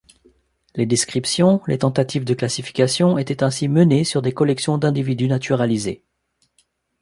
Les descriptions, les tentatives de classification, étaient ainsi menées sur des collections d'individus naturalisés.